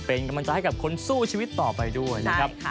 เป็นกำลังใจให้กับคนสู้ชีวิตต่อไปด้วยนะครับ